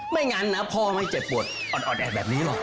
ไม่งั้นนะพ่อไม่เจ็บปวดอ่อนแอดแบบนี้หรอก